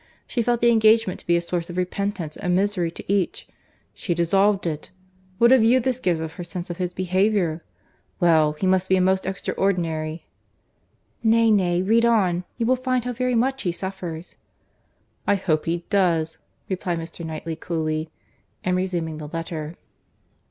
—She felt the engagement to be a source of repentance and misery to each—she dissolved it.—What a view this gives of her sense of his behaviour!—Well, he must be a most extraordinary—" "Nay, nay, read on.—You will find how very much he suffers." "I hope he does," replied Mr. Knightley coolly, and resuming the letter.